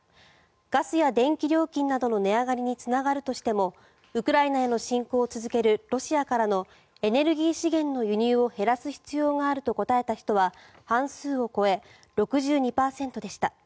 ガスや電気料金などの値上がりにつながるとしてもウクライナへの侵攻を続けるロシアからのエネルギー資源の輸入を減らす必要があると答えた人は半数を超え、６２％でした。